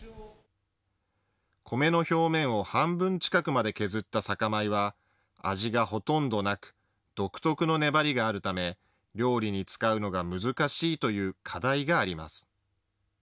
米の表面を半分近くまで削った酒米は味がほとんどなく独特の粘りがあるため料理に使うのが難しいという課題があります。